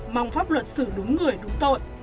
mong pháp luật sử đúng người đúng tội